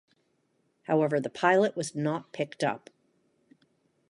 However, the pilot was not picked up.